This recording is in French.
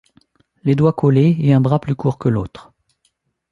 Les doigts collés et un bras plus court que l’autre.